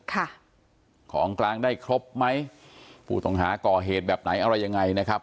ของกลางได้ครบไหมผู้ต้องหาก่อเหตุแบบไหนอะไรยังไงนะครับ